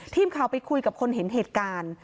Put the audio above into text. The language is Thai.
ทีมข่าวไปคุยกับคนเห็นเหตุการณ์